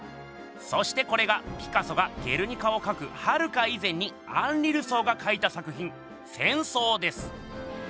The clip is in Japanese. そしてこれがピカソが「ゲルニカ」をかくはるか以前にアンリ・ルソーがかいた作品「戦争」です！